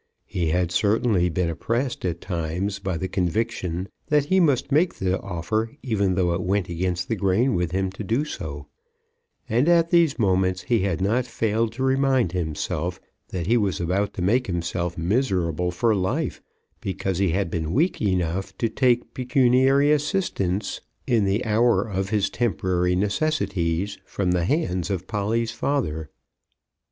He had certainly been oppressed at times by the conviction that he must make the offer even though it went against the grain with him to do so; and at these moments he had not failed to remind himself that he was about to make himself miserable for life because he had been weak enough to take pecuniary assistance in the hour of his temporary necessities from the hands of Polly's father.